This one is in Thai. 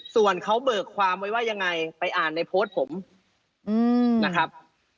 ส่วนเขาเบิกความไว้ว่ายังไงไปอ่านในโพสต์ผมนะครับ